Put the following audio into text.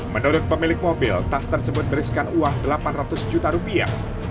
menurut pemilik mobil tas tersebut berisikan uang delapan ratus juta rupiah